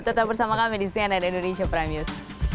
tetap bersama kami di cnn indonesia prime news